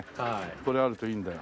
これあるといいんだよ。